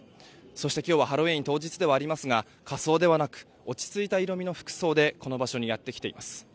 そして今日はハロウィーン当日ではありますが仮装ではなく落ち着いた色味の服装でこの場所にやってきています。